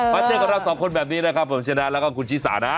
มันเจอกันแล้ว๒คนแบบนี้นะค่ะผมชนะและก็คุณชิสานะ